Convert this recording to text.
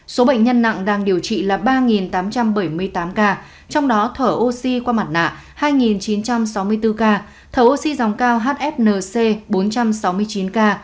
số bệnh nhân nặng đang điều trị là ba tám trăm bảy mươi tám ca trong đó thở oxy qua mặt nạ hai chín trăm sáu mươi bốn ca thở oxy dòng cao hfnc bốn trăm sáu mươi chín ca